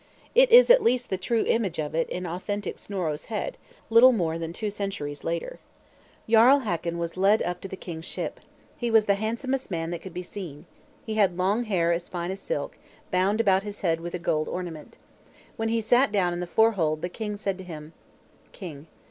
It is at least the true image of it in authentic Snorro's head, little more than two centuries later. "Jarl Hakon was led up to the king's ship. He was the handsomest man that could be seen. He had long hair as fine as silk, bound about his head with a gold ornament. When he sat down in the forehold the king said to him: _King.